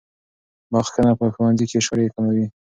بخښنه په ښوونځي کې شخړې کموي.